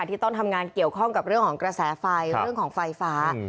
ที่ต้องทำงานเกี่ยวข้องกับเรื่องของกระแสไฟเรื่องของไฟฟ้า